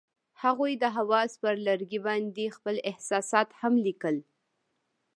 هغوی د اواز پر لرګي باندې خپل احساسات هم لیکل.